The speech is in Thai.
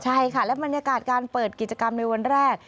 ใช่ค่ะและบรรยากาศการเปิดกิจกรรมในวันแรก